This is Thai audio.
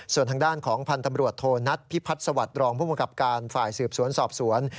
ส่วนทางด้านของพันธ์ตำรวจโทนัทพิพัฒน์สวัสดิ์รองผู้บังคับการฝ่ายสืบสวนสอบสวน